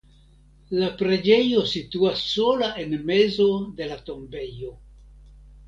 La preĝejo situas sola en mezo de la tombejo.